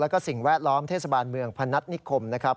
แล้วก็สิ่งแวดล้อมเทศบาลเมืองพนัฐนิคมนะครับ